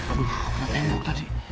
aduh kena tembok tadi